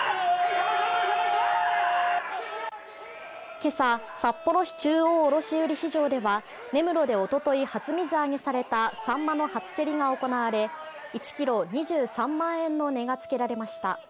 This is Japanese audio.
今朝、札幌市中央卸売市場では根室でおととい初水揚げされたサンマの初競りが行われ１ｋｇ２３万円の値がつけられました。